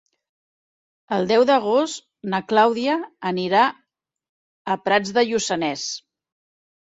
El deu d'agost na Clàudia anirà a Prats de Lluçanès.